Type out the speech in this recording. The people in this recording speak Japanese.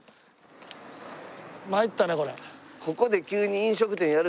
参ったねこれ。